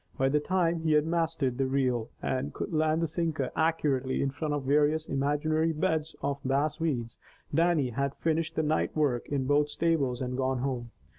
By the time he had mastered the reel, and could land the sinker accurately in front of various imaginary beds of bass weeds, Dannie had finished the night work in both stables and gone home.